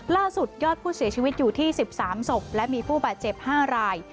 ล่าสุดยอดผู้เสียชีวิตอยู่ที่๑๓ศพและมีผู้บาดเจ็บ๕ราย